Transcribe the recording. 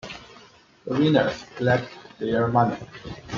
The winners collect their money.